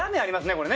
これね。